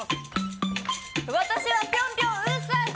私はぴょんぴょんうさぎ・。